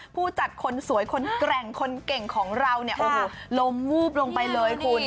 ผู้จัดคนสวยคนแกร่งของเรานี่โอโหลมวูปลงไปเลยคุณ